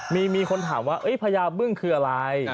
มีคนถามว่าพญาบึ้งคืออะไร